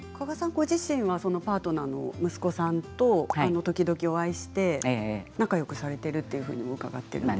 ご自身はパートナーの息子さんと時々お会いして仲よくされているというふうにも伺っているんですが。